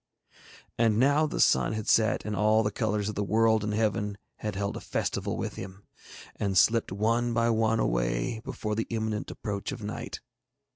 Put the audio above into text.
And now the sun had set, and all the colours of the world and heaven had held a festival with him, and slipped one by one away before the imminent approach of night.